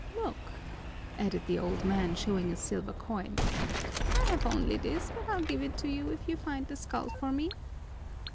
"Look!" added the old man, showing a silver coin, "I have only this, but I'll give it to you if you find the skull for me."